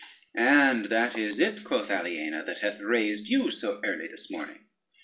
"And that is it," quoth Aliena, "that hath raised you so early this morning."